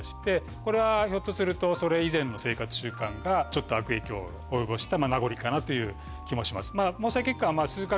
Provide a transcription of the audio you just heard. これはひょっとすると。がちょっと悪影響を及ぼした名残かなという気もします。